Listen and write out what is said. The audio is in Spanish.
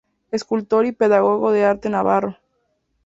Escultor y pedagogo de arte navarro.